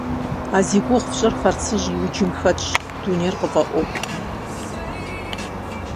А зи гугъу фщӏыр хъарцыжь и уджым хэтщ, дунейр къыфӏэӏуэхукъым.